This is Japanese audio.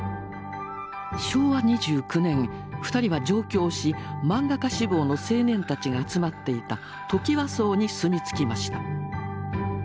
昭和２９年２人は上京し漫画家志望の青年たちが集まっていたトキワ荘に住みつきました。